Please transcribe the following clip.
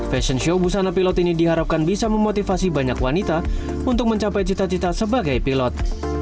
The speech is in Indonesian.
fashion show busana pilot ini diharapkan bisa memotivasi banyak wanita untuk mencapai cita cita sebagai pilot